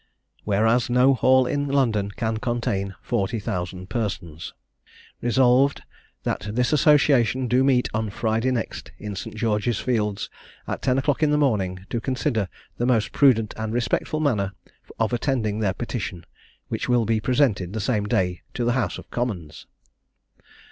"Whereas no hall in London can contain forty thousand persons, "Resolved, That this association do meet on Friday next in St. George's fields, at ten o'clock in the morning, to consider the most prudent and respectful manner of attending their petition, which will be presented the same day to the House of Commons.